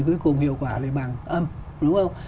cuối cùng hiệu quả lại bằng âm đúng không